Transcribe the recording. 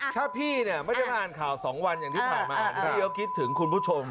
ถ้าพี่เนี้ยไม่ได้ก่อนข่าวสองวันอย่างที่ถามมาครับตรงนี้เขาคิดถึงคุณผู้ชม